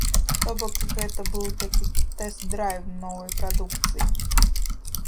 То бок гэта быў такі тэст-драйв новай прадукцыі.